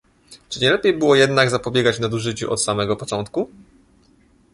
Czy nie lepiej było jednak zapobiegać nadużyciu od samego początku?